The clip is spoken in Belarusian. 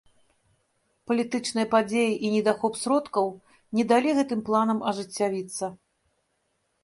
Палітычныя падзеі і недахоп сродкаў не далі гэтым планам ажыццявіцца.